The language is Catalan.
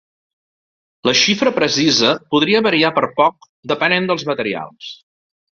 La xifra precisa podria variar per poc depenent dels materials.